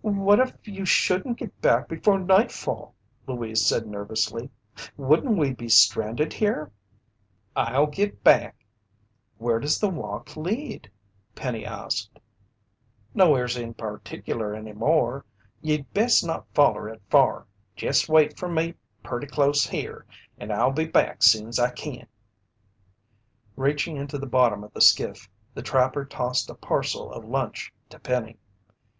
"What if you shouldn't get back before nightfall," Louise said nervously. "Wouldn't we be stranded here?" "I'll git back." "Where does the walk lead?" Penny asked. "Nowheres in particular any more. Ye'd best not foller it far. Jest wait fer me purty close here, and I'll be back soon's I kin." Reaching into the bottom of the skiff, the trapper tossed a parcel of lunch to Penny.